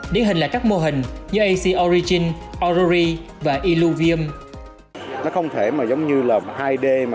điển hình là các mô hình như ac origin aurory và illuvium